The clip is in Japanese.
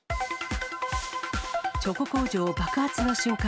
チョコ工場、爆発の瞬間。